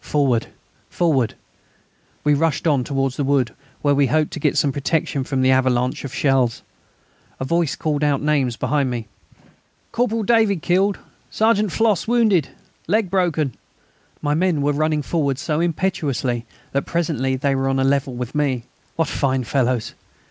Forward! Forward! We rushed on towards the wood, where we hoped to get some protection from the avalanche of shells. A voice called out names behind me: "Corporal David killed! Sergeant Flosse wounded; leg broken." My men were running forward so impetuously that presently they were on a level with me. What fine fellows!